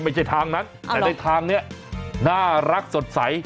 ไม่ใช่ทางนั้นแต่ในทางนี้น่ารักสดใส